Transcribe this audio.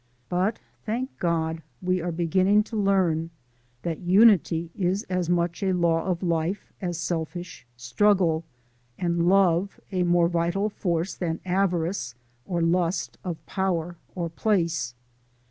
But, thank God, we are beginning to learn that unity is as much a law of life as selfish struggle, and love a more vital force than avarice or lust of power or place.